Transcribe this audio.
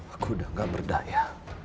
aku udah gak berdaya